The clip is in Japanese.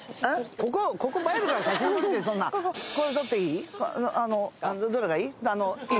ここ映えるから写真撮るってそんなここで撮っていい？